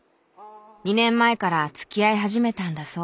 ２年前からつきあい始めたんだそう。